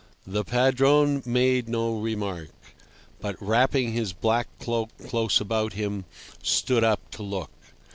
The Padrone made no remark, but, wrapping his black cloak close about him, stood up to look.